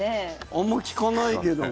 あんまり聞かないけども。